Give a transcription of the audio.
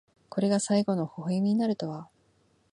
これが最期の笑みになるとは。